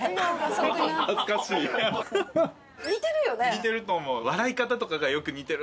似てると思う。